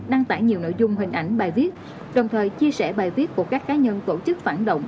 đăng tải nhiều nội dung hình ảnh bài viết đồng thời chia sẻ bài viết của các cá nhân tổ chức phản động